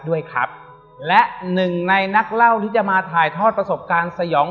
ด้วยครับและหนึ่งในนักเล่าที่จะมาถ่ายทอดประสบการณ์สยอง